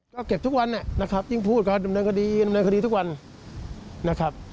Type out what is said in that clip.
ก็เก็บทุกวันนะครับยิ่งพูดก็ดำเนินคดีดำเนินคดีทุกวันนะครับ